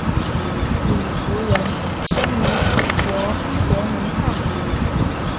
李福仁生于英国伯明翰。